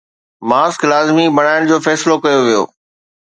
mask لازمي بڻائڻ جو فيصلو ڪيو ويو